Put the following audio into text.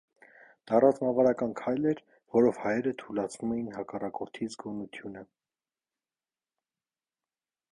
Դա ռազմավարական քայլ էր, որով հայերը թույլացնում էին հակառակորդի զգոնությունը։